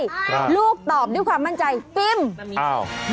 โยรัสเจ้าโดยความมั่นใจว่าปิมมี่มามิ